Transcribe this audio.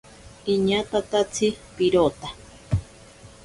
Iñatatatsi pirota.